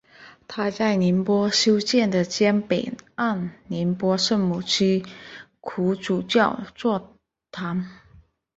他在宁波修建了江北岸宁波圣母七苦主教座堂。